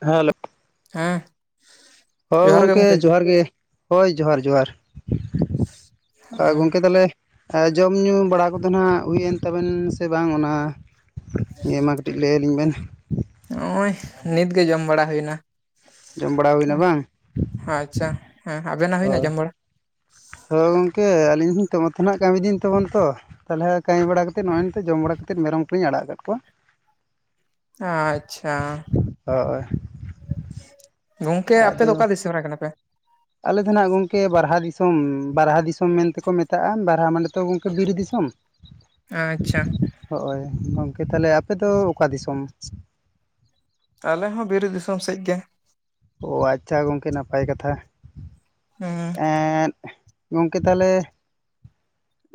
ᱦᱮᱸ, ᱦᱮᱸ, ᱦᱳᱭ, ᱡᱚᱦᱟᱨ ᱜᱮ ᱜᱚᱢᱠᱮ ᱜᱚᱝᱠᱮ ᱡᱚᱦᱟᱨ ᱜᱮ ᱡᱚᱦᱟᱨ ᱡᱚᱦᱟᱨ ᱟᱨ ᱜᱚᱢᱠᱮ ᱛᱟᱦᱚᱞᱮ, ᱡᱚᱢᱼᱧᱩ ᱵᱟᱲᱟ ᱠᱚ ᱫᱚ ᱱᱟᱜ ᱦᱩᱭᱮᱱ ᱛᱟᱵᱮᱱ ᱥᱮ ᱵᱟᱝ ᱚᱱᱟ? ᱱᱤᱭᱟᱹ ᱢᱟ ᱠᱟᱹᱴᱤᱡ ᱞᱟᱹᱭ ᱟᱹᱞᱤᱧ ᱵᱮᱱ? ᱱᱚᱜᱼᱚᱭ ᱱᱤᱛ ᱜᱮ ᱡᱚᱢ ᱵᱟᱲᱟ ᱦᱩᱭᱱᱟ ᱡᱚᱢ ᱵᱟᱲᱟ ᱦᱩᱭᱱᱟ ᱵᱟᱝ ᱾ ᱟᱪᱪᱷᱟ, ᱦᱮᱸ ᱟᱵᱮᱱᱟᱜ ᱦᱩᱭᱱᱟ ᱡᱚᱢ ᱵᱟᱲᱟ? ᱦᱮᱸ, ᱜᱚᱢᱠᱮ ᱟᱹᱞᱤᱧ ᱦᱚᱸ ᱛᱚ ᱢᱚᱛᱚ ᱱᱟᱜ ᱠᱟᱹᱢᱤ ᱫᱤᱧ ᱛᱟᱵᱚᱱ ᱛᱚ, ᱛᱟᱦᱚᱞᱮ ᱠᱟᱹᱢᱤ ᱵᱟᱲᱟ ᱠᱟᱛᱮᱫ ᱱᱚᱜᱼᱚᱭ ᱱᱤᱛᱳᱜ ᱡᱚᱢ ᱵᱟᱲᱟ ᱠᱟᱛᱮᱫ ᱢᱮᱨᱚᱢ ᱠᱩᱞᱤᱧ ᱟᱲᱟᱜ ᱟᱠᱟᱫ ᱠᱚᱣᱟ᱿ ᱟ-ᱪᱪᱷᱟ ᱦᱚ-ᱚᱭ, ᱜᱚᱢᱠᱮ ᱟᱯᱮ ᱫᱚ ᱚᱠᱟᱫ ᱫᱤᱥᱚᱢ ᱨᱮ ᱠᱟᱱᱟ ᱯᱮ? ᱟᱞᱮ ᱫᱚ ᱱᱟᱜ ᱜᱚᱢᱠᱮ ᱵᱟᱨᱦᱟ ᱫᱤᱥᱚᱢ ᱵᱟᱨᱦᱟ ᱫᱤᱥᱚᱢ ᱢᱮᱱᱛᱮ ᱠᱚ ᱢᱮᱛᱟᱜᱼᱟ ᱵᱟᱨᱦᱟ ᱢᱟᱱᱮᱛᱚ ᱜᱚᱢᱠᱮ ᱵᱤᱨ ᱫᱤᱥᱚᱢ᱾ ᱟᱪᱪᱷᱟ, ᱦᱚᱼᱭ ᱜᱚᱢᱠᱮ ᱛᱟᱦᱚᱞᱮ ᱟᱯᱮ ᱫᱚ ᱚᱠᱟ ᱫᱤᱥᱚᱢ? ᱟᱞᱮ ᱦᱚᱸ ᱵᱤᱨ ᱫᱤᱥᱚᱢ ᱥᱮᱫ ᱜᱮ᱾ ᱚᱻ ᱟᱪᱪᱷᱟ ᱜᱚᱢᱠᱮ ᱱᱟᱯᱟᱭ ᱠᱟᱛᱷᱟ ᱾ ᱦᱩᱸ ᱮᱸ-ᱫ ᱜᱚᱢᱠᱮ ᱛᱟᱦᱚᱞᱮᱼᱼ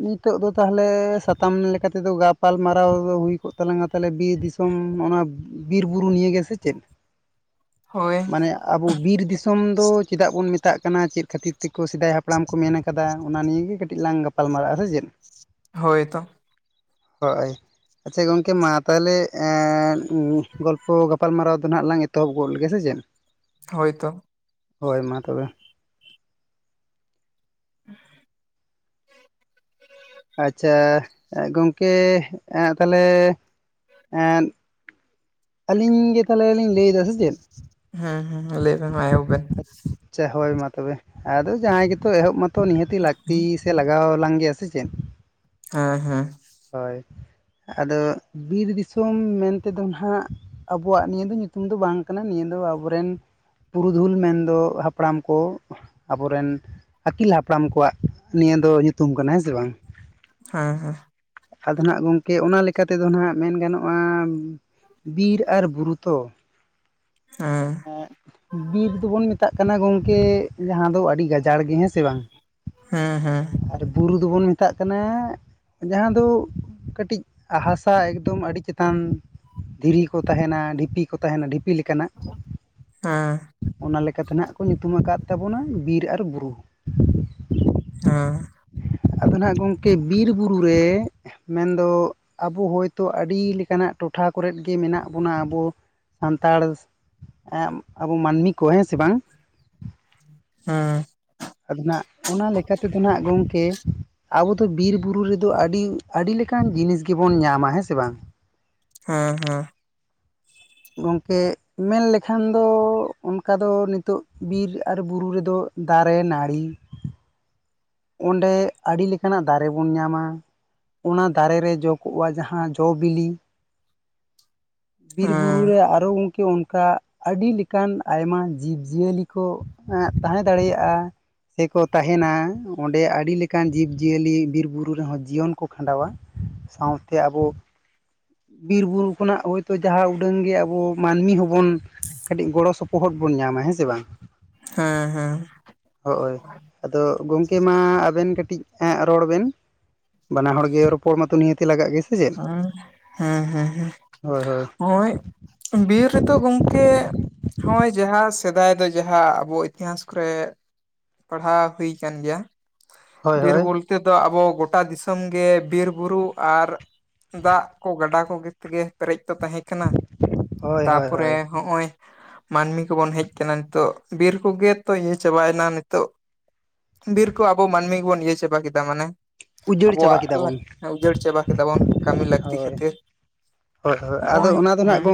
ᱱᱤᱛᱳᱜ ᱫᱚ ᱛᱟᱦᱚᱞᱮ ᱥᱟᱛᱟᱢ ᱞᱮᱠᱟ ᱛᱮᱫᱚ ᱜᱟᱯᱟᱞᱢᱟᱨᱟᱣ ᱦᱩᱭ ᱠᱚᱜ ᱛᱟᱞᱟᱝᱟ ᱛᱟᱦᱚᱞᱮ ᱵᱤᱨ ᱫᱤᱥᱚᱢ᱾ ᱛᱚᱢ ᱱᱚᱜ-ᱱᱚᱣᱟ ᱵᱤᱨ ᱵᱩᱨᱩ ᱱᱤᱭᱟᱹ ᱭᱮ ᱜᱮᱥᱮ ᱪᱮᱫ? ᱦᱳᱭ, ᱢᱟᱱᱮ ᱟᱵᱚ ᱵᱤᱨ ᱫᱤᱥᱚᱢ ᱫᱚ ᱪᱮᱫᱟᱜ ᱵᱚᱱ ᱢᱮᱛᱟᱜ ᱠᱟᱱᱟ ᱪᱮᱫ? ᱠᱷᱟᱹᱛᱤᱨ ᱛᱮ ᱠᱚ ᱥᱮᱫᱟᱭ ᱦᱟᱯᱲᱟᱢ ᱠᱚ ᱢᱮᱱ ᱠᱟᱫᱟ ᱚᱱᱟ ᱱᱤᱭᱟᱹ ᱜᱮ ᱠᱟᱹᱴᱤᱡ ᱞᱟᱝ ᱜᱟᱯᱟᱞ ᱢᱟᱨᱟᱜᱼᱟ ᱥᱮ ᱪᱮᱫ? ᱦᱳᱭ ᱛᱚ? ᱦᱳ-ᱚᱭ, ᱟᱪᱪᱷᱟ, ᱜᱚᱢᱠᱮ ᱢᱟ ᱛᱟᱦᱚᱞᱮ ᱜᱚᱞᱯᱚ ᱜᱟᱯᱟᱞᱢᱟᱨᱟᱣ ᱫᱚ ᱱᱟᱦᱟᱜ ᱞᱟᱝ ᱮᱛᱚᱦᱚᱵ ᱜᱚᱫ ᱞᱮ ᱜᱮ ᱥᱮ ᱪᱮᱫ? [unintelligible] ᱦᱳᱭ ᱛᱚ, ᱦᱳᱭ ᱢᱟ ᱛᱚᱵᱮ, [unintelligible] ᱟᱪᱪᱷᱟ ᱜᱚᱢᱠᱮ ᱛᱟᱦᱚᱞᱮ ᱮᱫ, ᱟᱹᱞᱤᱧ ᱜᱮ ᱛᱟᱦᱚᱞᱮ ᱞᱤᱧ ᱞᱟᱹᱭ ᱮᱫᱟ ᱥᱮ ᱪᱮᱫ? ᱦᱮᱸ ᱞᱟᱹᱭ ᱢᱟ ᱮᱦᱳᱵ ᱵᱤᱱ ᱟᱪᱪᱷᱟ ᱦᱳᱭ ᱢᱟ ᱛᱚᱵᱮ ᱟᱫᱚ ᱡᱟᱦᱟᱸᱭ ᱜᱮᱛᱚ ᱮᱦᱚᱵ ᱱᱤᱦᱟᱹᱛᱤ ᱞᱟᱹᱠᱛᱤ, ᱥᱮ ᱞᱟᱜᱟᱣ ᱟᱞᱟᱝ ᱜᱮᱭᱟ ᱥᱮ ᱪᱮᱫ? ᱦᱮᱸ ᱦᱮᱸ, ᱦᱳᱭ ᱟᱫᱚ ᱵᱤᱨ ᱫᱤᱥᱚᱢ ᱢᱮᱱᱛᱮ ᱫᱚ ᱱᱟᱦᱟᱜ᱾ ᱟᱵᱚᱣᱟᱜ ᱱᱤᱭᱟᱹ ᱫᱚ ᱧᱩᱛᱩᱢ ᱫᱚ ᱵᱟᱝ ᱠᱟᱱᱟ ᱱᱤᱭᱟᱹ ᱫᱚ ᱟᱵᱚ ᱨᱮᱱ ᱯᱩᱨᱩᱫᱷᱩᱞ ᱢᱮᱱ ᱫᱚ, ᱦᱟᱯᱲᱟᱢ ᱠᱚ, ᱟᱵᱚᱨᱮᱱ ᱟᱹᱠᱤᱞ ᱦᱟᱯᱲᱟᱢ ᱠᱚᱣᱟᱜ ᱱᱤᱭᱟᱹ ᱫᱚ ᱧᱩᱛᱩᱢ ᱠᱟᱱᱟ ᱦᱮᱸ ᱥᱮ ᱵᱟᱝ᱾ ᱦᱮᱸ ᱦᱮᱸ᱾ ᱟᱫᱚ ᱱᱟᱦᱟᱸᱜ ᱜᱚᱝᱠᱮ ᱚᱱᱟ ᱞᱮᱠᱟᱛᱮ ᱫᱚ ᱱᱟᱦᱟᱸᱜ ᱢᱮᱱ ᱜᱟᱱᱚᱜ-ᱟ ᱵᱤᱨ ᱟᱨ ᱵᱩᱨᱩ ᱛᱚ᱾ ᱦᱮᱸᱻ᱾ ᱮᱸ ᱵᱤᱨ ᱫᱚᱵᱚᱱ ᱢᱮᱛᱟᱜ ᱠᱟᱱᱟ ᱜᱚᱝᱠᱮ ᱡᱟᱦᱟᱸ ᱫᱚ ᱟᱹᱰᱤ ᱜᱟᱡ ᱡᱟᱲ ᱜᱮ ᱦᱮᱸ ᱥᱮ ᱵᱟᱝ ᱦᱮᱸ ᱦᱮᱸ ᱟᱨ ᱵᱩᱨᱩ ᱫᱚᱵᱚᱱ ᱢᱮᱛᱟᱜ ᱠᱟᱱᱟ ᱡᱟᱦᱟᱸ ᱫᱚ ᱠᱟᱹᱴᱤᱡ ᱦᱟᱥᱟ ᱮᱠᱫᱚᱢ ᱟᱹᱰᱤ ᱪᱮᱛᱟᱱ ᱫᱷᱤᱨᱤ ᱠᱚ ᱛᱟᱦᱮᱸᱱᱟ ᱰᱷᱤᱯᱤ ᱠᱚ ᱛᱟᱦᱮᱱᱟ ᱰᱷᱤᱯᱤ ᱞᱮᱠᱟᱱᱟᱜ᱾ ᱦᱮᱸ᱾ ᱚᱱᱟ ᱞᱮᱠᱟᱛᱮ ᱱᱟᱦᱟᱸᱜ ᱠᱚ ᱧᱩᱛᱩᱢ ᱟᱠᱟᱫ ᱛᱟᱵᱚᱱᱟ ᱵᱤᱨ ᱟᱨ ᱵᱩᱨᱩ᱾ ᱦᱮᱸ᱾ ᱟᱫᱚ ᱱᱟᱦᱟᱸᱜ ᱜᱚᱝᱠᱮ ᱵᱤᱨ ᱵᱩᱨᱩ ᱨᱮ ᱢᱮᱱᱫᱚ ᱟᱵᱚ ᱦᱚᱭᱛᱳ ᱟᱹᱰᱤ ᱞᱮᱠᱟᱱᱟᱜ ᱴᱚᱴᱷᱟ ᱠᱚᱨᱮᱫ ᱜᱮ ᱢᱮᱱᱟᱜ ᱵᱚᱱᱟ ᱟᱵᱚ᱾ ᱥᱟᱱᱛᱟᱲ ᱟᱵᱚ ᱢᱟᱹᱱᱢᱤ ᱠᱚ ᱦᱮᱸ ᱥᱮ ᱵᱟᱝ? ᱦᱮᱸ᱾ ᱟᱞᱤᱧ ᱦᱟᱸᱜ ᱚᱱᱟ ᱞᱮᱠᱟ ᱛᱮᱫᱚ ᱱᱟᱦᱟᱸᱜ ᱜᱚᱝᱠᱮ ᱟᱵᱚ ᱫᱚ ᱵᱤᱨ ᱵᱩᱨᱩ ᱨᱮᱫᱚ ᱟᱹᱰᱤ ᱟᱹᱰᱤ ᱞᱮᱠᱟᱱ ᱡᱤᱱᱤᱥ ᱜᱮ ᱵᱚᱱ ᱧᱟᱢᱟ ᱦᱮᱸ ᱥᱮ ᱵᱟᱝ? ᱦᱮᱸ ᱦᱮᱸ᱾ ᱜᱚᱝᱠᱮ ᱢᱮᱱ ᱞᱠᱷᱟᱱ ᱫᱚ ᱚᱱᱠᱟ ᱫᱚ ᱱᱤᱛᱳᱜ ᱵᱤᱨ ᱟᱨ ᱵᱩᱨᱩ ᱨᱮᱫᱚ ᱫᱟᱨᱮ ᱱᱟᱲᱤ᱾ ᱚᱸᱰᱮ ᱟᱹᱰᱤ ᱞᱮᱠᱟᱱᱟᱜ ᱫᱟᱨᱮ ᱵᱚᱱ ᱧᱟᱢᱟ᱾ ᱚᱱᱟ ᱫᱟᱨᱮ ᱨᱮ ᱡᱚ ᱠᱚᱜ-ᱟ ᱡᱟᱦᱟᱸ ᱡᱚ ᱵᱤᱞᱤ᱾ ᱵᱤᱨ ᱵᱩᱨᱩ ᱦᱮᱸ ᱨᱮ ᱟᱨᱚ ᱜᱚᱝᱠᱮ ᱚᱱᱠᱟ ᱟᱹᱰᱤ ᱞᱮᱠᱟᱱ ᱟᱭᱢᱟ ᱡᱤᱵᱽ ᱡᱤᱭᱟᱹᱞᱤ ᱠᱚ ᱮᱸᱜ ᱛᱟᱦᱮᱸ ᱫᱟᱲᱮᱭᱟᱜ-ᱟ᱾ ᱥᱮ ᱠᱚ ᱛᱟᱦᱮᱱᱟ᱾ ᱚᱸᱰᱮ ᱟᱹᱰᱤ ᱞᱮᱠᱟᱱ ᱡᱤᱵᱽᱡᱤᱭᱟᱹᱞᱤ ᱵᱤᱨ ᱵᱩᱨᱩ ᱨᱮᱦᱚᱸ ᱡᱤᱭᱚᱱ ᱠᱚ ᱠᱷᱟᱸᱰᱟᱣᱟ ᱥᱟᱶᱛᱮ ᱟᱵᱚ ᱵᱤᱨ-ᱵᱩᱨᱩ ᱠᱷᱚᱱᱟᱜ ᱦᱳᱭᱛᱳ ᱡᱟᱦᱟᱸ ᱩᱰᱟᱹᱝ ᱜᱮᱭᱟ ᱟᱵᱚ ᱢᱟᱹᱱᱢᱤ ᱦᱚᱸᱵᱚᱱ ᱠᱟᱹᱴᱤᱡ ᱜᱚᱲᱚ ᱥᱚᱯᱚ ᱯᱚᱦᱚᱫ ᱵᱚᱱ ᱧᱟᱢᱟ ᱦᱮᱸ ᱥᱮ ᱵᱟᱝ? ᱦᱮᱸ ᱦᱮᱸ᱾ ᱦᱳᱭ ᱟᱫᱚ ᱜᱚᱝᱠᱮ ᱢᱟ ᱟᱵᱮᱱ ᱠᱟᱹᱴᱤᱡ ᱮᱸᱜ ᱨᱚᱲ ᱵᱮᱱ᱾ ᱵᱟᱱᱟ ᱦᱚᱲ ᱜᱮ ᱨᱚᱯᱚᱲ ᱢᱟᱛᱚ ᱱᱤᱦᱟᱹᱛᱤ ᱞᱟᱜᱟᱜ ᱜᱮ ᱥᱮ ᱪᱮᱫ? ᱦᱩᱸ ᱦᱮᱸ ᱦᱮᱸᱦᱮᱸ ᱦᱳᱭ ᱦᱳᱭ ᱦᱚᱜ-ᱚᱭ ᱵᱤᱨ ᱱᱤᱛᱳᱜ ᱫᱚ ᱜᱚᱝᱠᱮ ᱦᱚᱜ-ᱚᱭ ᱡᱟᱦᱟᱸ ᱥᱮᱫᱟᱭ ᱫᱚ ᱡᱟᱦᱟᱸ ᱟᱵᱚ ᱤᱛᱤᱦᱟᱥ ᱠᱚᱨᱮ ᱯᱟᱲᱦᱟᱣ ᱦᱩᱭ ᱠᱟᱱ ᱜᱮᱭᱟ᱾ ᱦᱳᱭ ᱵᱤᱨ ᱦᱳᱭ ᱵᱚᱞᱛᱮ ᱫᱚ ᱟᱵᱚ ᱜᱚᱴᱟ ᱫᱤᱥᱚᱢ ᱜᱮ ᱵᱤᱨ-ᱵᱩᱨᱩ ᱟᱨ ᱫᱟᱜ ᱠᱚ ᱜᱟᱰᱟ ᱠᱚᱜᱮ ᱛᱮᱜᱮ ᱯᱮᱨᱮᱡ ᱛᱚ ᱛᱟᱦᱮᱸ ᱠᱟᱱᱟ, ᱦᱳᱭ ᱦᱳᱭ ᱛᱟᱯᱚᱨᱮ ᱦᱳᱭ ᱦᱚᱜ-ᱚᱭ᱾ ᱢᱟᱹᱱᱢᱤ ᱠᱚᱵᱚᱱ ᱦᱮᱡ ᱠᱟᱱᱟ ᱱᱤᱛᱚᱜ, ᱵᱤᱨ ᱠᱚᱜᱮ ᱛᱚ ᱤᱭᱟᱹ ᱪᱟᱵᱟᱭᱮᱱᱟ ᱱᱤᱛᱚᱜ᱾ ᱵᱤᱨ ᱠᱚ ᱟᱵᱚ ᱢᱟᱹᱱᱢᱤ ᱜᱮᱵᱚᱱ ᱤᱭᱟᱹ ᱪᱟᱵᱟ ᱠᱮᱫᱟ ᱢᱮᱱᱮ ᱩᱡᱟᱹᱲ ᱪᱟᱵᱟ ᱟᱵᱚᱣᱟᱜ ᱠᱮᱫᱟ ᱵᱚᱱ ᱞᱟ ᱩᱡᱟᱹᱲ ᱪᱟᱵᱟ ᱠᱮᱫᱟ ᱵᱚᱱ᱾ ᱠᱟᱹᱢᱤ ᱞᱟᱹᱠᱛᱤ ᱦᱳᱭ ᱠᱷᱟᱹᱛᱤᱨ ᱦᱳᱭ ᱦᱳᱭ ᱟᱫᱚ ᱦᱚᱜ-ᱚᱭ ᱚᱱᱟ ᱫᱚ ᱱᱟᱜ ᱦᱮᱸ᱾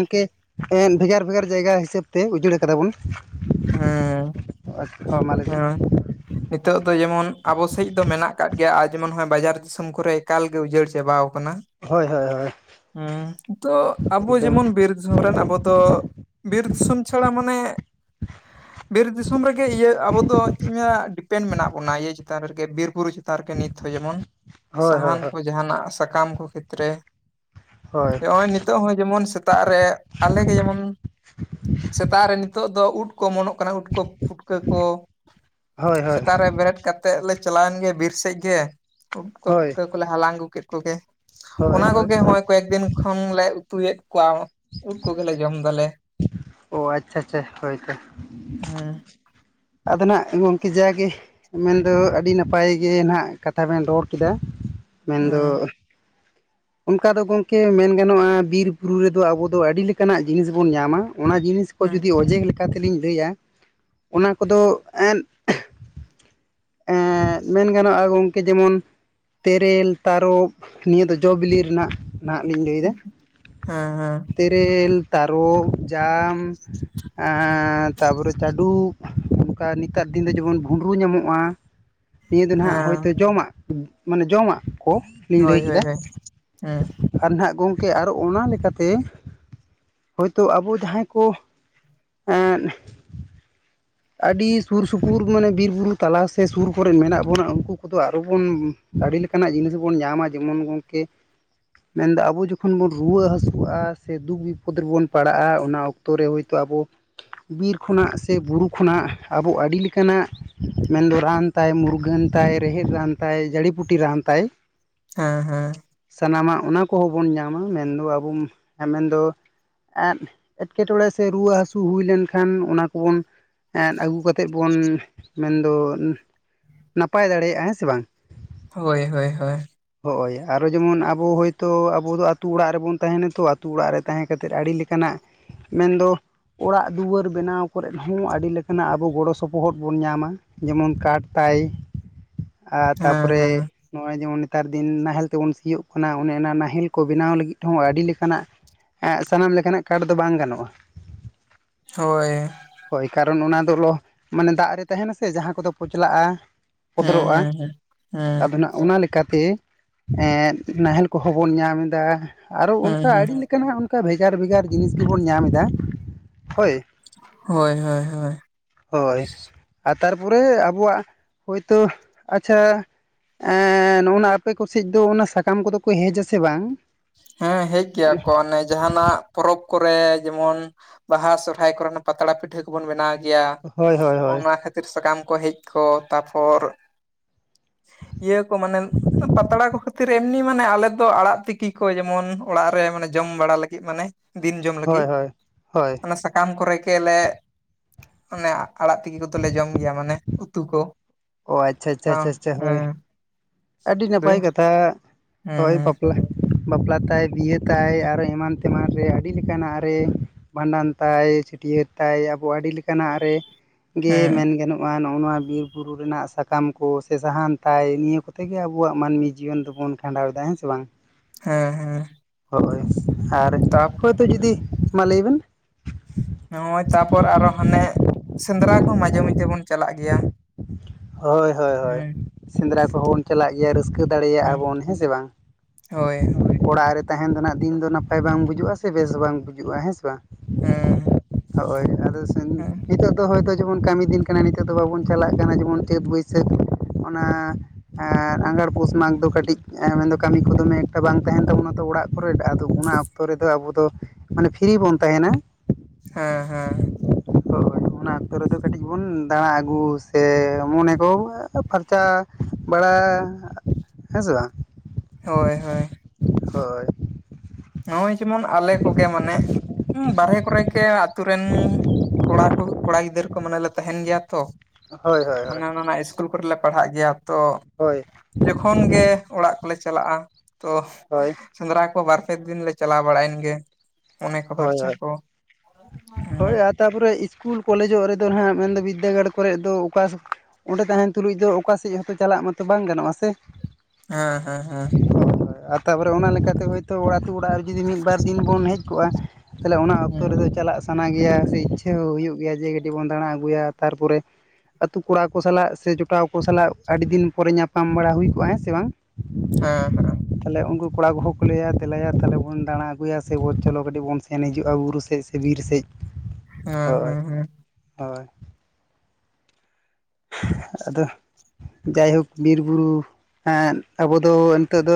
[unintelligible] ᱵᱷᱮᱜᱟᱨ ᱵᱷᱮᱜᱟᱨ ᱡᱟᱭᱜᱟ ᱦᱤᱥᱟᱹᱵ ᱛᱮ ᱩᱡᱟᱹᱲ ᱠᱟᱫᱟ ᱵᱚᱱ᱾ ᱦᱮᱸ ᱟᱪᱪᱷᱟ ᱢᱟ ᱞᱟᱹᱭ ᱦᱮᱸ ᱵᱮᱱ? ᱱᱤᱛᱚᱜ ᱫᱚ ᱡᱮᱢᱚᱱ ᱟᱵᱚ ᱥᱮᱡ ᱫᱚ ᱢᱮᱱᱟᱜ ᱟᱠᱟᱫ ᱜᱮᱭᱟ ᱟᱨ ᱡᱮᱢᱚᱱ ᱦᱟ ᱵᱟᱡᱟᱨ ᱫᱤᱥᱚᱢ ᱠᱚᱨᱮ ᱮᱠᱟᱞ ᱜᱮ ᱩᱡᱟᱹᱲ ᱪᱟᱵᱟᱣ ᱠᱟᱱᱟ᱾ ᱦᱳᱭ ᱦᱳᱭ ᱦᱳᱭ ᱦᱩᱸ ᱱᱤᱛᱳᱜ ᱟᱵᱚ ᱮᱠᱫᱚᱢ ᱡᱮᱢᱚᱱ ᱵᱤᱨ ᱫᱤᱥᱚᱢ ᱨᱮᱱ ᱟᱵᱚ ᱫᱚ ᱵᱤᱨ ᱫᱤᱥᱚᱢ ᱪᱷᱟᱲᱟ ᱢᱟᱱᱮ ᱵᱤᱨ ᱫᱤᱥᱚᱢ ᱨᱮᱜᱮ ᱤᱭᱟᱹ ᱟᱵᱚ ᱫᱚ ᱪᱮᱫ ᱤᱧ ᱢᱮᱱᱟ ᱰᱤᱯᱮᱱᱰ ᱢᱮᱱᱟᱜ ᱵᱚᱱᱟ ᱤᱭᱟᱹ ᱪᱮᱛᱟᱱ ᱨᱮᱜᱮ ᱵᱤᱨ ᱵᱩᱨᱩ ᱪᱮᱛᱟᱱ᱾ ᱛᱟᱨ ᱠᱤ ᱱᱤᱛ ᱦᱚᱸ ᱡᱮᱢᱚᱱ ᱦᱳᱭ ᱦᱳᱭ ᱥᱟᱦᱟᱱ ᱠᱚ ᱡᱟᱦᱟᱱᱟᱜ ᱥᱟᱠᱟᱢ ᱠᱚ ᱠᱷᱮᱛᱨᱮ ᱦᱳᱭ᱾ ᱚᱭ ᱱᱤᱛᱚᱜ ᱦᱚᱸ ᱡᱮᱢᱚᱱ ᱥᱮᱛᱟᱜ ᱨᱮ ᱟᱞᱮ ᱜᱮ ᱡᱮᱢᱚᱱ ᱥᱮᱛᱟᱜ ᱨᱮ ᱱᱤᱛᱚᱜ ᱫᱚ ᱩᱫ ᱠᱚ ᱚᱢᱚᱱᱚᱜ ᱠᱟᱱᱟ ᱩᱫ ᱠᱚ ᱯᱩᱴᱠᱟᱹ ᱠᱚ, ᱦᱳᱭ ᱦᱳᱭ ᱥᱮᱛᱟᱜ ᱨᱮ ᱵᱮᱨᱮᱫ ᱠᱟᱛ ᱛᱮᱜ ᱞᱮ ᱪᱟᱞᱟᱣᱮᱱ ᱜᱮ ᱵᱤᱨ ᱥᱮᱜ ᱜᱮ ᱩᱫ ᱠᱚ ᱦᱳᱭ ᱯᱩᱴᱠᱟᱹ ᱠᱚᱞᱮ ᱦᱟᱞᱟᱝ ᱟᱹᱜᱩ ᱠᱮᱜ ᱠᱚᱜᱮ᱾ ᱦᱳᱭ ᱚᱱᱟ ᱦᱳᱭ ᱠᱚᱜᱮ ᱦᱚᱸᱜᱼᱚᱭ ᱠᱚᱭᱮᱠ ᱫᱤᱱ ᱠᱷᱚᱱ ᱞᱮ ᱩᱛᱩᱭᱮᱫ ᱠᱚᱣᱟ ᱩᱫ ᱠᱚᱜᱮ ᱞᱮ ᱡᱚᱢ ᱫᱟᱞᱮ᱾ ᱚ ᱟᱪᱪᱷᱟ ᱟᱪᱪᱷᱟ ᱦᱳᱭ ᱛᱚ᱾ ᱦᱩᱸ᱾ ᱟᱫᱚ ᱱᱟᱜ ᱜᱚᱝᱠᱮ ᱡᱟᱜᱮ ᱢᱮᱱᱫᱚ ᱟᱹᱰᱤ ᱱᱟᱯᱟᱭ ᱜᱮ ᱱᱟᱦᱟᱜ ᱠᱟᱛᱷᱟ ᱵᱮᱱ ᱨᱚᱲ ᱠᱮᱫᱟ ᱢᱮᱱ ᱫᱚ ᱦᱩᱸ ᱚᱱᱠᱟ ᱫᱚ ᱜᱚᱝᱠᱮ ᱢᱮᱱ ᱜᱟᱱᱚᱜᱼᱟ ᱵᱤᱨ ᱵᱩᱨᱩ ᱨᱮᱫᱚ ᱟᱵᱚ ᱫᱚ ᱟᱹᱰᱤ ᱞᱮᱠᱟᱱᱟᱜ ᱡᱤᱱᱤᱥ ᱵᱚᱱ ᱧᱟᱢᱟ᱾ ᱚᱱᱟ ᱡᱤᱱᱤᱥ ᱠᱚ ᱦᱩᱸ ᱡᱩᱫᱤ ᱚᱡᱮ ᱞᱮᱠᱟᱛᱮᱞᱤᱧ ᱞᱟᱹᱭᱟ ᱚᱱᱟ ᱠᱚᱫᱚ ᱮᱸ ᱮᱸ ᱢᱮᱱ ᱜᱟᱱᱚᱜᱼᱟ ᱜᱚᱝᱠᱮ ᱡᱮᱢᱚᱱ ᱛᱮᱨᱮᱞ, ᱛᱟᱨᱚᱯ ᱱᱤᱭᱟᱹ ᱫᱚ ᱡᱚ ᱵᱤᱞᱤᱜ ᱨᱮᱱᱟᱜ ᱱᱟᱦᱟᱜ ᱞᱤᱧ ᱞᱟᱹᱭᱫᱟ ᱦᱮᱸ ᱦᱮᱸ ᱛᱮᱨᱮᱞ, ᱛᱟᱨᱚᱵ, ᱡᱟᱢ ᱮᱸ ᱛᱟᱯᱚᱨᱮ ᱪᱟᱹᱰᱩᱵ ᱚᱝᱠᱟ ᱱᱤᱛᱟᱜ ᱫᱤᱱ ᱫᱚ ᱡᱮᱢᱚᱱ ᱵᱷᱩᱸᱰᱨᱩ ᱧᱟᱢᱚᱜᱼᱟ᱾ ᱱᱤᱭᱟᱹ ᱫᱚ ᱱᱟᱦᱟᱜ ᱦᱳᱭᱛᱳ ᱦᱮᱸ ᱡᱚᱢᱟᱜ ᱢᱟᱱᱮ ᱡᱚᱢᱟᱜ ᱠᱚ ᱞᱤᱧ ᱦᱳᱭ ᱞᱟᱹᱭ ᱦᱳᱭ ᱠᱮᱫᱟ᱾ ᱦᱳᱭ ᱦᱩᱸ ᱟᱨ ᱱᱟᱦᱟᱜ ᱜᱚᱝᱠᱮ ᱟᱨᱚ ᱚᱱᱟ ᱞᱮᱠᱟᱛᱮ ᱦᱚᱭᱛᱚ ᱟᱵᱚ ᱡᱟᱦᱟᱸᱭ ᱠᱚ ᱮᱸ ᱟᱹᱰᱤ ᱥᱩᱨ ᱥᱩᱯᱩᱨ ᱢᱟᱱᱮ ᱵᱤᱨ ᱵᱩᱨᱩ ᱛᱟᱞᱟ ᱥᱮ ᱥᱩᱨ ᱠᱚᱨᱮᱫ ᱢᱮᱱᱟᱜ ᱵᱚᱱᱟ ᱩᱝᱠᱩ ᱠᱚᱫᱚ ᱟᱨᱚ ᱵᱚᱱ ᱟᱹᱰᱤ ᱞᱮᱠᱟᱱᱟᱜ ᱡᱤᱱᱤᱥ ᱵᱚᱱ ᱧᱟᱢᱟ ᱡᱮᱢᱚᱱ ᱜᱚᱝᱠᱮ ᱢᱮᱱᱫᱟ ᱟᱵᱚ ᱡᱚᱠᱷᱚᱱ ᱵᱚᱱ ᱨᱩᱣᱟᱹ ᱦᱟᱹᱥᱩᱜᱼᱟ ᱥᱮ ᱫᱩᱠ ᱵᱤᱯᱚᱫᱽ ᱨᱮᱵᱚᱱ ᱯᱟᱲᱟᱜᱼᱟ ᱚᱱᱟ ᱚᱠ ᱛᱚ ᱨᱮ ᱦᱚᱭᱛᱚ ᱟᱵᱚ ᱵᱤᱨ ᱠᱷᱚᱱᱟᱜ ᱥᱮ ᱵᱩᱨᱩ ᱠᱷᱚᱱᱟᱜ ᱟᱵᱚ ᱟᱹᱰᱤ ᱞᱮᱠᱟᱱᱟᱜ ᱢᱮᱱᱫᱚ ᱨᱟᱱ ᱛᱟᱭ ᱢᱩᱨᱜᱟᱹᱱ ᱛᱟᱭ ᱨᱮᱦᱮᱫ ᱨᱟᱱ ᱛᱟᱭ ᱡᱟᱹᱲᱤ ᱯᱩᱴᱤ ᱨᱟᱱ ᱛᱟᱭ᱾ ᱦᱮᱸ ᱦᱮᱸ ᱥᱟᱱᱟᱢᱟᱜ ᱚᱱᱟ ᱠᱚᱦᱚᱸ ᱵᱚᱱ ᱧᱟᱢᱟ᱾ ᱢᱮᱱᱫᱚ ᱟᱵᱚ ᱢᱮᱱᱫᱚ ᱮᱸ ᱮᱴᱠᱮᱴᱚᱬᱮ ᱥᱮ ᱨᱩᱣᱟᱹ ᱦᱟᱹᱥᱩ ᱦᱩᱭ ᱞᱮᱱᱠᱷᱟᱱ ᱚᱱᱟ ᱠᱚᱵᱚᱱ ᱮᱸ ᱟᱹᱜᱩ ᱠᱟᱛᱮᱫ ᱵᱚᱱ ᱢᱮᱱᱫᱚ ᱱᱟᱯᱟᱭ ᱫᱟᱲᱮᱭᱟᱜᱼᱟ ᱦᱮᱸ ᱥᱮ ᱵᱟᱝ᱾ ᱦᱳᱭ ᱦᱳᱭ ᱦᱳᱭ᱾ ᱦᱚᱜᱼᱚᱭ ᱟᱨᱚ ᱡᱮᱢᱚᱱ ᱟᱵᱚ ᱦᱚᱭᱛᱚ ᱟᱵᱚ ᱫᱚ ᱟᱛᱩ ᱚᱲᱟᱜ ᱨᱮᱵᱚᱱ ᱛᱟᱦᱮᱱᱟ ᱛᱚ, ᱟᱛᱳ ᱚᱲᱟᱜ ᱨᱮ ᱛᱟᱦᱮᱸ ᱠᱟᱛᱮᱫ ᱟᱹᱰᱤ ᱞᱮᱠᱟ ᱠᱟᱱᱟᱜ ᱢᱮᱱᱫᱚ ᱚᱲᱟᱜ ᱫᱩᱣᱟᱹᱨ ᱵᱮᱱᱟᱣ ᱠᱚᱨᱮᱫ ᱦᱚᱸ ᱟᱹᱰᱤ ᱞᱮᱠ ᱠᱟᱱᱟᱜ ᱟᱵᱚ ᱜᱚᱲᱚ ᱥᱚᱯᱚᱦᱚᱫ ᱵᱚᱱ ᱧᱟᱢᱟ᱾ ᱡᱮᱢᱚᱱ ᱠᱟᱴ ᱛᱟᱭ ᱟ ᱦᱮᱸ ᱛᱟᱯᱚᱨᱮ ᱦᱮᱸ ᱱᱚᱜᱼᱚᱭ ᱡᱮᱢᱚᱱ ᱱᱮᱛᱟᱨ ᱫᱤᱱ ᱱᱟᱦᱮᱞ ᱛᱮᱵᱚᱱ ᱥᱤᱭᱳᱜ ᱠᱟᱱᱟ ᱚᱱᱮ ᱚᱱᱟ ᱱᱟᱦᱮᱞ ᱠᱚ ᱵᱮᱱᱟᱣ ᱞᱟᱹᱜᱤᱫ ᱦᱚᱸ ᱟᱹᱰᱤ ᱞᱮᱠᱟᱱᱟᱜ ᱮᱸᱜ ᱥᱟᱱᱟᱢ ᱞᱮᱠᱟᱱᱟᱜ ᱠᱟᱰ ᱫᱚ ᱵᱟᱝ ᱜᱟᱱᱚᱜᱼᱟ᱾ ᱦᱚᱭ᱾ ᱦᱳᱭ ᱠᱟᱨᱚᱱ ᱚᱱᱟ ᱫᱚ ᱞᱚ ᱢᱟᱱᱮ ᱫᱟᱜ ᱨᱮ ᱛᱟᱦᱮᱱᱟ ᱥᱮ ᱡᱟᱦᱟᱸ ᱠᱚᱫᱚ ᱯᱚᱪᱞᱟᱜᱼᱟ ᱦᱮᱸ ᱯᱚᱫᱨᱚᱜᱼᱟ ᱦᱮᱸ ᱦᱮᱸ ᱦᱮᱸ ᱟᱫᱚ ᱱᱟᱜ ᱚᱱᱟ ᱞᱮᱠᱟᱛᱮ ᱮᱸ ᱱᱟᱦᱮᱞ ᱠᱚᱦᱚᱸ ᱵᱚᱱ ᱧᱟᱢᱫᱟ ᱟᱨᱚ ᱦᱮᱸ ᱚᱱᱠᱟ ᱦᱮᱸ ᱟᱹᱰᱤ ᱞᱮᱠ ᱠᱟᱱᱟᱜ ᱚᱱᱠᱟ ᱵᱷᱮᱜᱟᱨ ᱵᱷᱮᱜᱟᱨ ᱡᱤᱱᱤᱥ ᱜᱮᱵᱚᱱ ᱧᱟᱢᱫᱟ ᱦᱳᱭ᱾ ᱦᱳᱭ ᱦᱳᱭ ᱦᱳᱭ᱾ ᱦᱚᱭ ᱟᱨ ᱛᱟᱨᱯᱚᱨᱮ ᱟᱵᱚᱣᱟᱜ ᱦᱚᱭᱛᱚ ᱟᱪᱪᱷᱟ ᱮᱸ ᱱᱚᱜᱼᱚᱱᱟ ᱟᱯᱮ ᱠᱚᱥᱡ ᱫᱚ ᱚᱱᱟ ᱥᱟᱠᱟᱢ ᱠᱚᱫᱚ ᱠᱚ ᱦᱮᱡᱟ ᱥᱮ ᱵᱟᱝ? ᱦᱮᱸ ᱦᱮᱡ ᱜᱮᱭᱟ ᱠᱚ ᱚᱱᱮ ᱡᱟᱦᱟᱱᱟᱜ ᱯᱚᱨᱚᱵᱽ ᱠᱚᱨᱮ ᱡᱮᱢᱚᱱ ᱵᱟᱦᱟ ᱥᱚᱨᱚᱦᱟᱭ ᱠᱚᱨᱮ ᱯᱟᱛᱲᱟ ᱯᱤᱴᱷᱟᱹ ᱵᱚᱱ ᱵᱮᱱᱟᱣ ᱜᱮᱭᱟ ᱦᱳᱭ ᱦᱳᱭ ᱦᱳᱭ ᱚᱱᱟ ᱠᱷᱟᱹᱛᱤᱨ ᱥᱟᱠᱟᱢ ᱠᱚ ᱦᱮᱡ ᱠᱚᱜ ᱛᱟᱨᱯᱚᱨ ᱤᱭᱟᱹ ᱠᱚ ᱢᱟᱱᱮ ᱯᱟᱛᱲᱟ ᱠᱚ ᱠᱷᱟᱹᱛᱤᱨ ᱮᱢᱱᱤ ᱢᱟᱱᱮ ᱟᱞᱮ ᱫᱚ ᱟᱲᱟᱜ ᱛᱤᱠᱤ ᱠᱚ ᱡᱮᱢᱚᱱ ᱚᱲᱟᱜ ᱨᱮ ᱡᱚᱢ ᱵᱟᱲᱟ ᱞᱟᱹᱜᱤᱫ ᱢᱟᱱᱮ ᱫᱤᱱ ᱡᱚᱢ ᱦᱳᱭ ᱞᱟᱹᱜᱤᱫ ᱦᱳᱭ ᱦᱳᱭ ᱥᱟ ᱥᱟᱠᱟᱢ ᱠᱚᱨᱮ ᱜᱮᱞᱮ ᱚᱱᱮ ᱟᱲᱟᱜ ᱛᱤᱠᱤ ᱠᱚᱫᱚᱞᱮ ᱡᱚᱢ ᱜᱮᱭᱟ ᱢᱟᱱᱮ ᱩᱛᱩ ᱠᱚ᱾ ᱚ ᱟᱪᱪᱷᱟ ᱟᱪᱪᱷᱟ ᱚ ᱟᱪᱪᱷᱟ ᱟᱪᱪᱷᱟ ᱦᱳᱭ ᱦᱩᱸ ᱾ ᱟᱹᱰᱤ ᱱᱟᱯᱟᱭ ᱠᱟᱛᱷᱟ ᱦᱮᱸ ᱦᱳᱭ ᱵᱟᱯᱞᱟ ᱵᱟᱯᱞᱟ ᱛᱟᱭ ᱵᱤᱦᱟᱹ ᱛᱟᱭ ᱟᱨᱚ ᱮᱢᱟᱱ ᱛᱮᱢᱟᱱ ᱨᱮ ᱟᱹᱰᱤ ᱞᱮᱠᱟᱱᱟᱜ ᱨᱮ ᱵᱷᱟᱸᱰᱟᱱ ᱛᱟᱭ, ᱪᱷᱟᱹᱴᱭᱟᱹᱨ ᱛᱟᱭ ᱟᱵᱚ ᱟᱹᱰᱤ ᱞᱮᱠᱟᱱᱟᱜ ᱨᱮ᱾ ᱜᱮ ᱦᱮᱸ ᱢᱮᱱ ᱜᱟᱱᱚᱜᱼᱟ ᱱᱚᱜᱼᱚ ᱱᱚᱣᱟ ᱵᱤᱨ ᱵᱩᱨᱩ ᱨᱮᱱᱟᱜ ᱥᱟᱠᱟᱢ ᱠᱚ ᱥᱮ ᱥᱟᱦᱟᱱ ᱛᱟᱭ ᱱᱤᱭᱟᱹ ᱠᱚᱛᱮ ᱛᱮᱜᱮ ᱟᱵᱚᱣᱟᱜ ᱢᱟᱹᱱᱢᱤ ᱡᱤᱭᱚᱱ ᱫᱚᱵᱚᱱ ᱠᱷᱟᱸᱰᱟᱣᱮᱫᱟ ᱦᱮᱸ ᱥᱮ ᱵᱟᱝ᱾ ᱦᱮᱸ ᱦᱮᱸ᱾ ᱦᱳᱭ ᱟᱨ, ᱛᱟ ᱦᱳᱭᱛᱚ ᱡᱩᱫᱤ ᱢᱟ ᱞᱟᱹᱭ ᱵᱮᱱ ᱱᱚᱜᱚᱭ ᱛᱟᱯᱚᱨ ᱟᱨᱚ ᱦᱟᱱᱮ ᱥᱮᱸᱫᱽᱨᱟ ᱠᱚᱦᱚᱸ ᱢᱟᱡᱷᱮ ᱢᱟᱚᱫᱡᱫᱷᱮ ᱵᱚᱱ ᱪᱟᱞᱟᱜ ᱜᱮᱭᱟ᱾ ᱦᱳᱭ ᱦᱳᱭ ᱦᱳᱭ ᱦᱮᱸ ᱥᱮᱸᱫᱽᱨᱟ ᱠᱚᱦᱚᱸ ᱵᱚᱱ ᱪᱟᱞᱟᱜ ᱜᱮᱭᱟ ᱨᱟᱹᱥᱠᱟᱹ ᱫᱟᱲᱮᱭᱟᱜᱼᱟ ᱵᱚᱱ ᱦᱮᱸ ᱥᱮ ᱵᱟᱝ᱾ ᱦᱳᱭ᱾ ᱚᱲᱟᱜ ᱨᱮ ᱛᱟᱦᱮᱱ ᱫᱚᱱᱟᱜ ᱫᱤᱱ ᱫᱚ ᱱᱟᱯᱟᱭ ᱵᱟᱝ ᱵᱩᱡᱩᱜᱼᱟ ᱥᱮ ᱵᱮᱥ ᱵᱟᱝ ᱵᱩᱡᱩᱜᱼᱟ ᱦᱮᱸ ᱥᱮ ᱵᱟᱝ᱾ ᱦᱮᱸ᱾ ᱦᱚᱭ ᱟᱫᱚ ᱦᱮᱸ ᱱᱤᱛᱚᱜ ᱫᱚ ᱦᱚᱳᱭᱛᱚ ᱡᱮᱢᱚᱱ ᱠᱟᱹᱢᱤ ᱫᱤᱱ ᱠᱟᱱᱟ ᱱᱤᱛᱚᱜ ᱫᱚ ᱵᱟᱵᱚᱱ ᱪᱟᱞᱟᱜ ᱠᱟᱱᱟ ᱡᱮᱢᱚᱱ ᱪᱴᱟᱹᱵᱽ ᱵᱟᱹᱭᱥᱟᱹᱠᱷ ᱚᱱᱟ, ᱟᱨ ᱟᱸᱜᱷᱟᱲ ᱯᱳᱥ ᱢᱟᱜᱽ ᱫᱚ ᱠᱟᱴᱤᱡ ᱢᱮᱱᱫᱚ ᱠᱟᱹᱢᱤ ᱠᱚ ᱫᱚᱢᱮ ᱮᱠᱴᱟ ᱵᱟᱝ ᱛᱟᱦᱮᱱ ᱛᱟᱵᱚᱱᱟ ᱛᱚ ᱚᱲᱟ ᱚᱱᱟ ᱚᱠᱛᱚ ᱨᱮᱫᱚ ᱟᱵᱚ ᱯᱷᱤᱨᱤ ᱵᱚᱱ ᱛᱟᱦᱮᱱᱟ᱾ ᱦᱮᱸ ᱦᱮᱸ᱾ ᱦᱳᱭ ᱚᱱᱟ ᱚᱠᱛᱚ ᱨᱮᱫᱚ ᱠᱟᱹᱴᱤᱡ ᱵᱚᱱ ᱫᱟᱬᱟ ᱟᱹᱜᱩ ᱥᱮ ᱢᱚᱱᱮ ᱠᱚ ᱯᱷᱟᱨᱪᱟ ᱵᱟᱲᱟ ᱦᱮᱸᱥᱮ ᱵᱟᱝ? ᱦᱳᱭ ᱦᱳᱭ᱾ ᱦᱳᱭ᱾ ᱱᱚᱜᱼᱚᱭ ᱡᱮᱢᱚᱱ ᱟᱞᱮ ᱠᱚᱜᱮ ᱢᱟᱱᱮ ᱵᱟᱨᱦᱮ ᱠᱚᱨᱮ ᱠᱮ ᱟᱛᱩ ᱨᱮᱱ ᱠᱚᱲᱟ ᱠᱚ ᱠᱚᱲᱟ ᱜᱤᱫᱟᱹᱨ ᱠᱚ ᱢᱟᱱᱮᱞᱮ ᱛᱟᱦᱮᱱ ᱜᱮᱭᱟ ᱛᱚ᱾ ᱦᱳᱭ ᱦᱳᱭ ᱦᱳᱭ ᱦᱳᱭ ᱦᱟᱱᱮ ᱚᱱᱟ ᱤᱥᱠᱩᱞ ᱠᱚᱨᱮᱞᱮ ᱯᱟᱲᱦᱟᱜ ᱜᱮᱭᱟ ᱛᱚ᱾ ᱦᱳᱭ᱾ ᱡᱚᱠᱷᱚᱱ ᱜᱮ ᱚᱲᱟᱜ ᱠᱚᱞᱮ ᱪᱟᱞᱟᱜᱼᱟ ᱛᱚ ᱦᱳᱭ᱾ ᱥᱮᱸᱫᱽᱨᱟ ᱠᱚ ᱵᱟᱨᱯᱮ ᱫᱤᱱ ᱞᱮ ᱪᱟᱞᱟᱣ ᱵᱟᱲᱟᱭᱮᱱ ᱜᱮ᱾ ᱚᱱᱮ ᱠᱚ ᱦᱳᱭ ᱯᱷᱟᱨᱪᱟ ᱦᱳᱭ ᱠᱚ ᱦᱳᱭ ᱦᱮᱸ ᱟᱨ, ᱛᱟᱨᱯᱚᱨᱮ ᱤᱥᱠᱩᱞ ᱠᱚᱞᱮᱡᱚᱜ ᱨᱮᱫᱚ ᱦᱟᱸᱜ ᱢᱮᱱᱫᱚ ᱵᱤᱫᱽᱫᱟᱹᱜᱟᱲ ᱠᱚᱨᱮᱫ ᱫᱚ ᱚᱠᱟ ᱚᱸᱰᱮ ᱛᱟᱦᱮᱱ ᱛᱩᱞᱩᱡ ᱫᱚ ᱚᱠᱟ ᱥᱮᱫ ᱦᱚᱸᱛᱚ ᱪᱟᱞᱟᱜ ᱢᱟᱛᱚ ᱵᱟᱝ ᱜᱟᱱᱚᱜᱼᱟᱥᱮ? ᱦᱮᱸ ᱦᱮᱸ᱾ ᱛᱟᱨᱯᱚᱨᱮ ᱚᱱᱟ ᱞᱮᱠᱟᱛᱮ ᱦᱳᱭᱛᱳ ᱟᱲᱛᱳ ᱚᱲᱟᱜ ᱨᱮ ᱡᱩᱫᱤ ᱢᱤᱫ ᱵᱟᱨ ᱫᱤᱱ ᱵᱚᱱ ᱦᱮᱡ ᱠᱚᱜᱼᱟ᱾ ᱛᱟᱦᱚᱞᱮ ᱚᱱᱟ ᱚᱠᱛᱚ ᱨᱮᱫᱚ ᱪᱟᱞᱟᱜ ᱥᱮ ᱥᱟᱱᱟ ᱜᱮᱭᱟ ᱥᱮ ᱤᱪᱷᱟᱹ ᱦᱚᱸ ᱦᱩᱭᱩᱜ ᱜᱮᱭᱟ ᱡᱮ ᱠᱟᱹᱴᱤᱡ ᱵᱚᱱ ᱫᱟᱬᱟ ᱟᱹᱜᱩᱭᱟ ᱛᱟᱨᱯᱚᱨᱮ, ᱟᱹᱛᱩᱳ ᱠᱚᱲᱟ ᱠᱚ ᱥᱟᱞᱟᱜ ᱥᱮ ᱡᱚᱴᱟᱣ ᱠᱚ ᱥᱟᱞᱟᱜ ᱟᱹᱰᱤ ᱫᱤᱱ ᱯᱚᱨᱮ ᱧᱟᱯᱟᱢ ᱵᱟᱲᱟ ᱦᱩᱭ ᱠᱚᱜᱼᱟ ᱦᱮᱸ ᱥᱮ ᱵᱟᱝ᱾ ᱦᱩᱸ ᱦᱩᱸ ᱾ ᱛᱟᱞᱦᱮ ᱩᱱᱠᱩ ᱠᱚᱲᱟ ᱠᱚᱦᱚᱸ ᱠᱚ ᱞᱟᱹᱭᱟ ᱫᱮᱞᱟᱭᱟ ᱛᱟᱦᱞᱮ ᱵᱚᱱ ᱫᱟᱬᱟ ᱟᱹᱜᱩᱭᱟ ᱥᱮ ᱵᱚᱱ ᱪᱚᱞᱚ ᱠᱟᱹᱴᱤᱡ ᱵᱚᱱ ᱥᱮᱱ ᱦᱤᱡᱩᱜᱼᱟ ᱵᱩᱨᱩ ᱥᱮᱫ ᱥᱮ ᱵᱤᱨ ᱥᱮᱫ᱾ ᱦᱮᱸ ᱦᱳᱭ ᱦᱮᱸ ᱦᱮᱸ᱾ ᱦᱳᱭ᱾ ᱟᱫᱚ ᱡᱟᱭᱦᱳᱠ ᱵᱤᱨᱵᱩᱨᱩ ᱦᱮᱸᱫ ᱟᱵᱚ ᱫᱚ ᱱᱤᱛᱚᱜ ᱫᱚ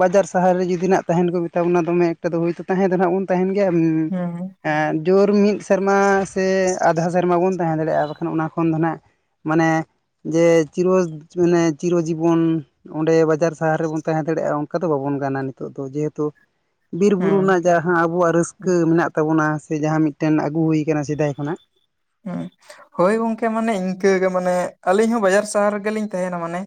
ᱵᱟᱡᱟᱨ ᱥᱟᱦᱟᱨ ᱨᱮ ᱡᱩᱫᱤ ᱛᱟᱦᱮᱱ ᱠᱚ ᱢᱮᱛᱟ ᱵᱚᱱᱟ ᱫᱚᱢᱮ ᱮᱠᱴᱟ ᱫᱚ ᱦᱩᱭᱛᱚ ᱛᱟᱦᱮᱸ ᱫᱚ ᱱᱟᱦᱟᱜ ᱵᱚᱱ ᱛᱟᱦᱮᱱ ᱜᱮᱭᱟ ᱩᱸᱢ ᱦᱮᱸ ᱮᱸᱫ ᱡᱳᱨ ᱢᱤᱫ ᱥᱮᱨᱢᱟ ᱥᱮ ᱟᱫᱷᱟ ᱥᱮᱨᱢᱟ ᱵᱚᱱ ᱛᱟᱦᱮᱸ ᱫᱟᱲᱮᱭᱟᱜᱼᱟ ᱟᱨ ᱵᱟᱠᱷᱟᱱ ᱚᱱᱟ ᱠᱷᱚᱱ ᱫᱚ ᱱᱟᱦᱟᱸᱜ ᱢᱟᱱᱮ ᱡᱮ ᱪᱤᱨᱚ ᱢᱟᱱᱮ ᱪᱤᱨᱚᱡᱤᱵᱚᱱ ᱚᱸᱵᱮ ᱵᱟᱡᱟᱨ ᱥᱟᱦᱟᱨ ᱨᱮᱵᱚᱱ ᱫᱟᱲᱮᱭᱟᱜᱼᱟ ᱚᱱᱠᱟ ᱫᱚ ᱵᱟᱵᱚᱱ ᱜᱟᱱᱟ ᱱᱤᱛᱚᱜ ᱫᱚ ᱡᱮᱦᱮᱛᱩ ᱵᱤᱨ ᱵᱩᱨᱩ ᱱᱟᱜ ᱡᱟᱦᱟᱸ ᱟᱵᱚᱣᱟᱜ ᱦᱮᱸ ᱨᱟᱹᱥᱠᱟᱹ ᱢᱮᱱᱟᱜ ᱛᱟᱵᱚᱱᱟ ᱫᱮ ᱡᱟᱦᱟᱸ ᱢᱤᱫᱴᱮᱱ ᱟᱹᱜᱩ ᱦᱩᱭᱠᱟᱱᱟ ᱥᱮᱫᱟᱭ ᱠᱷᱚᱱᱟᱜ᱾ ᱦᱩᱸ ᱦᱳᱭ ᱜᱚᱝᱠᱮ ᱢᱟᱱᱮ ᱤᱱᱠᱟᱹ ᱜᱮ ᱢᱟᱱᱮ ᱟᱹᱞᱤᱧ ᱦᱚᱸ ᱵᱟᱡᱟᱨ ᱥᱟᱦᱟᱨ ᱨᱮᱜᱮᱞᱤᱧ ᱛᱟᱦᱮᱱᱟ ᱢᱟᱱᱮ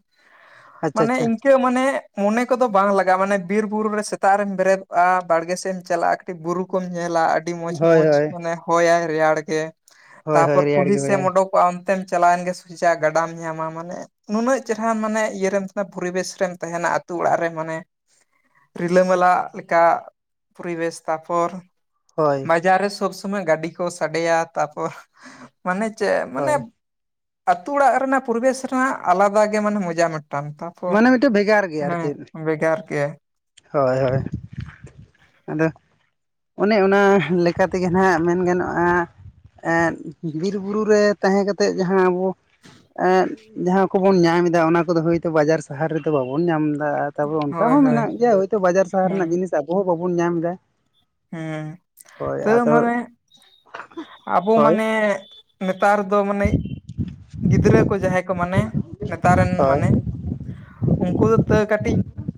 ᱟᱪᱪᱷᱟ ᱢᱟᱱᱮ ᱟᱪᱪᱷᱟ ᱤᱧ ᱠᱮ ᱢᱟᱱᱮ ᱢᱚᱱᱮ ᱠᱚᱫᱚ ᱵᱟᱝ ᱞᱟᱜᱟᱜᱼᱟ ᱢᱟᱱᱮ ᱵᱤᱨ ᱵᱩᱨᱩ ᱨᱮ ᱥᱮᱛᱟᱜ ᱨᱮᱢ ᱵᱮᱨᱮᱫᱚᱜᱼᱟ ᱵᱟᱲᱜᱮ ᱥᱮᱫ ᱮᱢ ᱪᱟᱞᱟᱜᱼᱟ᱾ ᱴᱤ ᱵᱩᱨᱩ ᱠᱚᱢ ᱧᱮᱞᱟ ᱟᱹᱰᱤ ᱢᱚᱸᱡᱽ ᱦᱳᱭ ᱢᱚᱸᱡᱽ ᱦᱳᱭ ᱢᱟᱱᱮ ᱦᱚᱭᱟᱭ ᱨᱮᱭᱟᱲ ᱜᱮ᱾ ᱦᱳᱭ ᱦᱳᱭ ᱛᱟᱯᱚᱨ ᱨᱮᱭᱟᱲ ᱠᱩᱞᱦᱤ ᱜᱮ ᱥᱮᱫ ᱦᱳᱭ ᱮᱢ ᱚᱰᱩᱠᱚᱜᱼᱟ ᱚᱱᱛᱮᱢ ᱪᱟᱞᱟᱣᱮᱱ ᱜᱮ ᱥᱚᱡᱷᱟᱜ ᱜᱟᱰᱟᱢ ᱧᱟᱢᱟ ᱢᱟᱱᱮ᱾ ᱱᱩᱱᱟᱹᱜ ᱪᱮᱦᱨᱟ ᱢᱟᱱᱮ ᱤᱭᱟᱹᱨᱮᱢ ᱛᱟᱦᱮᱱᱟ ᱯᱚᱨᱤᱵᱮᱥ ᱨᱮᱢ ᱛᱟᱦᱮᱱᱟ ᱟᱛᱳ ᱚᱲᱟᱜ ᱨᱮ ᱢᱟᱱᱮ ᱨᱤᱞᱟᱹᱢᱟᱞᱟ ᱞᱮᱠᱟ ᱯᱚᱨᱤᱵᱮᱥ ᱛᱟᱨᱯᱚᱨ ᱦᱳᱭ ᱵᱟᱡᱟᱨ ᱨᱮ ᱥᱚᱵ ᱥᱚᱢᱚᱭ ᱜᱟᱹᱰᱤ ᱠᱚ ᱥᱟᱰᱮᱭᱟ ᱛᱟᱯᱚᱨ ᱢᱟᱱᱮ ᱪᱮᱫ ᱢᱟᱱᱮ ᱦᱳᱭ ᱟᱛᱩ ᱚᱲᱟᱜ ᱨᱮᱱᱟᱜ ᱯᱚᱨᱤᱵᱮᱥ ᱨᱮᱱᱟᱜ ᱟᱞᱟᱫᱟ ᱜᱮ ᱢᱟᱱᱮ ᱢᱚᱡᱟ ᱢᱤᱫᱴᱟᱝ ᱛᱚ᱾ ᱢᱟᱱᱮ ᱢᱤᱫᱴᱮᱱ ᱵᱷᱮᱜᱟᱨ ᱜᱮᱭᱟ ᱟᱨ ᱪᱮᱫ ᱜᱮ ᱦᱳᱭ ᱦᱳᱭ᱾ ᱟᱫᱚ ᱚᱱᱮ ᱚᱱᱟ ᱞᱮᱠᱟ ᱛᱮᱜᱮ ᱱᱟᱦᱟᱸᱜ ᱢᱮᱱ ᱜᱟᱱᱚᱜᱼᱟ ᱮᱸᱫ ᱵᱤᱨ ᱵᱩᱨᱩ ᱨᱮ ᱛᱟᱦᱮᱸ ᱠᱟᱛᱮᱫ ᱡᱟᱦᱟᱸ ᱟᱵᱚ ᱮᱜ ᱡᱟᱦᱟᱸ ᱠᱚᱵᱚᱱ ᱧᱟᱢ ᱮᱫᱟ ᱚᱱᱟ ᱠᱚᱫᱚ ᱦᱳᱭ ᱵᱟᱡᱟᱨ ᱥᱟᱦᱟᱨ ᱨᱮᱫᱚ ᱵᱟᱵᱚᱱ ᱧᱟᱢ ᱮᱫᱟ, ᱛᱟᱯᱚᱨ ᱚᱱᱠᱟ ᱦᱳᱭ ᱦᱚᱸ ᱦᱳᱭ ᱢᱮᱱᱟᱜ ᱜᱮᱭᱟ ᱦᱚᱳᱭᱛᱳ ᱵᱟᱡᱟᱨ ᱥᱟᱦᱟᱨ ᱨᱮᱱᱟᱜ ᱡᱤᱱᱤᱥ ᱟᱵᱚ ᱦᱚᱸ ᱵᱟᱵᱚᱱ ᱧᱟᱢ ᱮᱫᱟ᱾ ᱦᱩᱸ ᱦᱳᱭ ᱛᱟᱹᱣ ᱟᱫᱚ ᱢᱟᱱᱮ ᱟᱵᱚ ᱦᱳᱭ ᱢᱟᱱᱮ ᱱᱮᱛᱟᱨ ᱫᱚ ᱢᱟᱱᱮ, ᱜᱤᱫᱽᱨᱟᱹ ᱠᱚ ᱡᱟᱦᱟᱸᱭ ᱠᱚ ᱢᱟᱱᱮ, ᱱᱮᱛᱟᱨ ᱨᱮᱱ ᱦᱳᱭ ᱢᱟᱱᱮ ᱩᱱᱠᱩ ᱫᱚ ᱛᱟᱹᱣ ᱠᱟᱹᱴᱤᱡ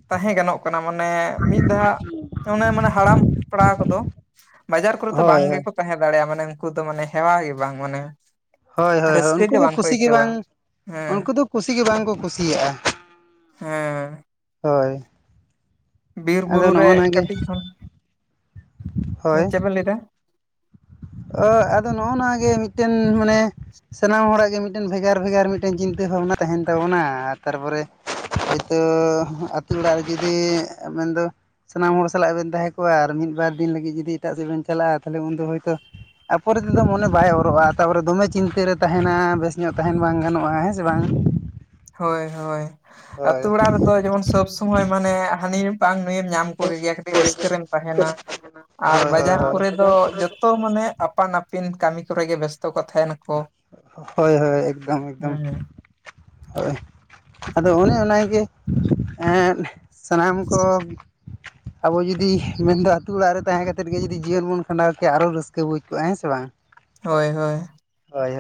ᱛᱟᱦᱮᱸ ᱜᱟᱱᱚᱜ ᱠᱟᱱᱟ, ᱢᱟᱱᱮ ᱢᱤᱫ ᱫᱷᱟᱣ ᱚᱱᱮ ᱢᱟᱱᱮ ᱦᱟᱲᱟᱢ ᱛᱟ ᱠᱚᱫᱚ ᱵᱟᱡᱟᱨ ᱠᱚᱨᱮ ᱫᱚ ᱦᱳᱭ ᱵᱟᱝ ᱜᱮᱠᱚ ᱛᱟᱦᱮᱸ ᱫᱟᱲᱮᱭᱟᱜᱼᱟ᱾ ᱢᱟᱱᱮ ᱩᱱᱠᱩ ᱫᱚ ᱢᱟᱱᱮ ᱦᱮᱣᱟ ᱜᱮ ᱵᱟᱝ ᱢᱟᱱᱮ ᱦᱚᱭ ᱦᱚᱭ ᱦᱚᱭ ᱨᱟᱹᱥᱠᱟᱹ ᱩᱱᱠᱩ ᱫᱚ ᱵᱟᱝᱠᱚ ᱠᱩᱥᱤ ᱜᱮ ᱟᱹᱭᱠᱟᱹᱣᱟ ᱵᱟᱝ ᱦᱮᱸ ᱩᱱᱠᱩ ᱫᱚ ᱠᱩᱥᱤ ᱜᱮ ᱵᱟᱝᱠᱚ ᱠᱩᱥᱤᱭᱟᱜᱼᱟ᱾᱾ ᱦᱮᱸ᱾ ᱦᱳᱭ᱾ ᱵᱤᱨ ᱟᱫᱚ ᱵᱩᱨᱩ ᱨᱮ ᱱᱚᱜᱼᱚ ᱱᱟ ᱜᱮ ᱠᱟᱹᱴᱤᱡ ᱠᱷᱚᱱ, ᱪᱮᱫ ᱵᱮᱱ ᱞᱟᱹᱭ ᱮᱫᱟ? ᱟ ᱟᱫᱚ ᱱᱚᱜᱼᱚ ᱱᱚᱣᱟ ᱜᱮ ᱢᱤᱫᱴᱮᱱ ᱢᱟᱱᱮ ᱥᱟᱱᱟᱢ ᱦᱚᱲᱟᱜ ᱜᱮ ᱢᱤᱫᱴᱮᱱ ᱵᱷᱮᱜᱟᱨ ᱵᱷᱮᱜᱟᱨ ᱢᱤᱫᱴᱵᱮᱱ ᱪᱤᱱᱛᱟᱹ ᱵᱷᱟᱵᱽᱱᱟ ᱛᱟᱦᱮᱱ ᱛᱟᱵᱚᱱᱟ ᱟᱨ ᱛᱟᱨᱯᱚᱨᱮ ᱦᱚᱳᱭᱛᱳ ᱟᱹᱛᱩ ᱚᱲᱟᱜ ᱨᱮ ᱡᱩᱫᱤ ᱢᱮᱱᱫᱚ ᱥᱟᱱᱟᱢ ᱦᱚᱲ ᱥᱟᱞᱟᱜ ᱵᱮᱱ ᱛᱟᱦᱮᱸ ᱠᱚᱜ ᱟᱨ ᱢᱤᱫ ᱵᱟᱨ ᱫᱤᱱ ᱞᱟᱹᱜᱤᱫ ᱡᱩᱫᱤ ᱮᱴᱟᱜ ᱥᱮᱫ ᱵᱮᱱ ᱪᱟᱞᱟᱜᱼᱟ ᱛᱟᱦᱚᱞᱮ ᱩᱱᱫᱚ ᱦᱳᱭᱛᱳ ᱟᱨ ᱯᱚᱨᱮ ᱛᱮᱫᱚ ᱢᱚᱱᱮ ᱵᱟᱭ ᱚᱨᱚᱜᱼᱟ, ᱛᱟᱯᱚᱨᱮ ᱫᱚᱢᱮ ᱪᱤᱱᱛᱟᱹ ᱨᱮ ᱛᱟᱦᱮᱱᱟ, ᱵᱮᱥ ᱧᱚᱜ ᱛᱟᱦᱮᱱ ᱵᱟᱝ ᱜᱟᱱᱚᱜᱼᱟ, ᱦᱮᱸ ᱥᱮ ᱵᱟᱝ? ᱦᱳᱭ ᱦᱳᱭ, ᱦᱳᱭ ᱟᱛᱳ ᱚᱲᱟᱜ ᱨᱮᱫᱚ ᱡᱮᱢᱚᱱ ᱥᱚᱵ ᱥᱩᱢᱚᱭ ᱢᱟᱱᱮ ᱦᱟᱹᱱᱤ ᱵᱟᱝ ᱱᱩᱭᱮᱢ ᱧᱟᱢ ᱠᱚ ᱜᱮᱭᱟ, ᱠᱟᱹᱴᱤᱡ ᱨᱟᱹᱥᱠᱟᱹ ᱨᱮᱢ ᱛᱟᱦᱮᱱᱟ ᱟᱨ ᱦᱳᱭ ᱦᱳᱭ ᱵᱟᱡᱟᱨ ᱦᱳᱭ ᱠᱚᱨᱮ ᱫᱚ ᱡᱚᱛ ᱛᱚ ᱢᱟᱱᱮ ᱟᱯᱟᱱ ᱟᱹᱯᱤᱱ ᱠᱟᱹᱢᱤ ᱠᱚᱨᱮ ᱜᱮ ᱵᱮᱥᱛᱚ ᱠᱚ ᱛᱟᱦᱮᱱᱟ ᱾ ᱦᱳᱭ ᱦᱳᱭ ᱮᱠᱫᱚᱢ ᱮᱠᱫᱚᱢ᱾ ᱦᱩᱸ ᱦᱳᱭ᱾ ᱟᱫᱚ ᱚᱱᱮ ᱚᱱᱟᱜᱮ ᱮᱸᱫ ᱥᱟᱱᱟᱢ ᱠᱚ ᱟᱵᱚ ᱡᱩᱫᱤ ᱢᱮᱱᱫᱚ ᱟᱹᱛᱩ ᱚᱲᱟᱜ ᱨᱮ ᱛᱟᱦᱮᱸ ᱠᱟᱛᱮᱜ ᱜᱮ ᱡᱩᱫᱤ ᱡᱤᱭᱚᱱ ᱵᱚᱱ ᱠᱷᱟᱸᱰᱟᱣ ᱠᱮᱭᱟ ᱟᱨᱚ ᱨᱟᱹᱥᱠᱟᱹ ᱵᱩᱡᱽ ᱠᱚᱜᱼᱟ ᱦᱮᱸ ᱥᱮ ᱵᱟᱝ? ᱦᱳᱭ ᱦᱳᱭ᱾ ᱦᱳᱭ᱾